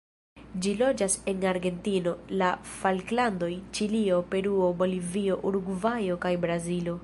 Ĝi loĝas en Argentino, la Falklandoj, Ĉilio, Peruo, Bolivio, Urugvajo, kaj Brazilo.